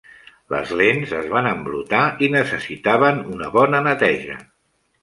Les lents es van embrutar i necessitaven una bona neteja.